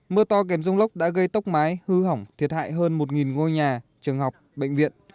mưa to kèm rông lốc đã gây tốc mái hư hỏng thiệt hại hơn một ngôi nhà trường học bệnh viện